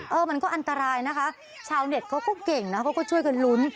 เออมันก็อันตรายนะคะชาวเน็ตเขาก็เก่งนะเขาก็ช่วยกันลุ้น